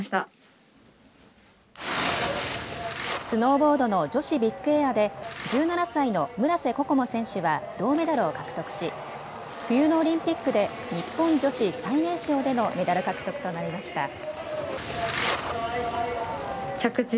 スノーボードの女子ビッグエアで１７歳の村瀬心椛選手は銅メダルを獲得し冬のオリンピックで日本女子最年少でのメダル獲得となりました。